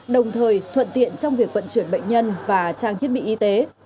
đồng thời thuận tiện trong việc vận chuyển bệnh nhân và trang thiết bị y tế